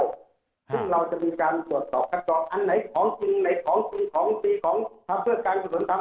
ซึ่งเราจะมีการตรวจสอบคัดกรอบอันไหนของจริงในของไหนของจริงของสีของการสินสนทัน